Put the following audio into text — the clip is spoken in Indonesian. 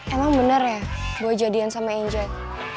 emang bener ya boy jadian sama angel